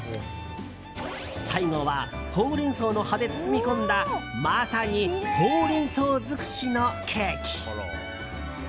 最後はホウレンソウの葉で包み込んだまさにホウレンソウ尽くしのケーキ。